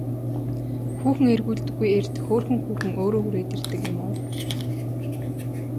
Хүүхэн эргүүлдэггүй эрд хөөрхөн хүүхэн өөрөө хүрээд ирдэг юм уу?